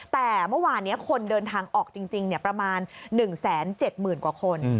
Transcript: แต่เมื่อวานนี้คนเดินทางออกจริงประมาณ๑๗๐๐๐กว่าคน